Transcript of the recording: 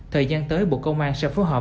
thời gian tới bộ công an sẽ phối hợp